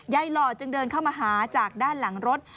หล่อจึงเดินเข้ามาหาจากด้านหลังรถ